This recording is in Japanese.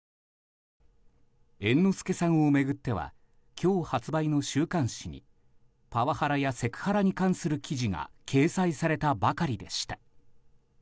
猿之助さんを巡っては今日発売の週刊誌にパワハラやセクハラに関する記事が掲載されたばかりでした。